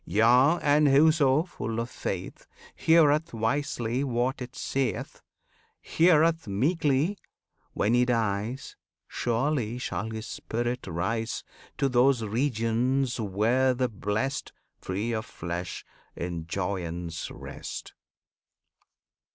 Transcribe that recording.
Yea, and whoso, full of faith, Heareth wisely what it saith, Heareth meekly, when he dies, Surely shall his spirit rise To those regions where the Blest, Free of flesh, in joyance rest.